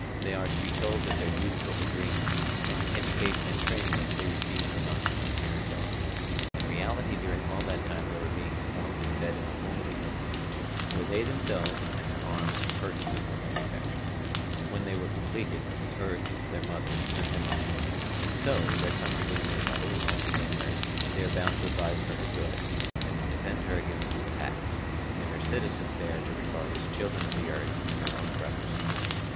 They are to be told that their youth was a dream, and the education and training which they received from us, an appearance only; in reality during all that time they were being formed and fed in the womb of the earth, where they themselves and their arms and appurtenances were manufactured; when they were completed, the earth, their mother, sent them up; and so, their country being their mother and also their nurse, they are bound to advise for her good, and to defend her against attacks, and her citizens they are to regard as children of the earth and their own brothers.